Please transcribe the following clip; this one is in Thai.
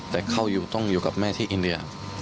แต่เข้าอยู่ต้องอยู่กับแม่ที่อินเดีย